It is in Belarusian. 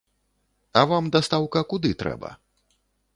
А вам дастаўка куды трэба?